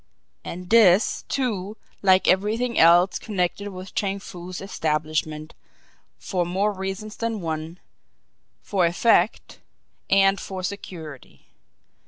And this, too, like everything else connected with Chang Foo's establishment, for more reasons than one for effect and for security.